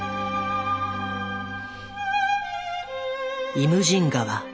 「イムジン河」。